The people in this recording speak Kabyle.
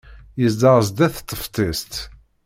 Yezdeɣ sdat teftist.